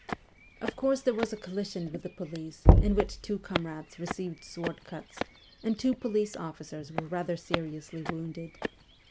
Of course there was a collision with the police in which two comrades received sword cuts and two police officers were rather seriously wounded.